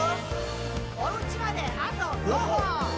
「おうちまであと５歩！」